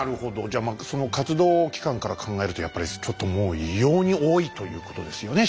じゃその活動期間から考えるとやっぱりちょっともう異様に多いということですよね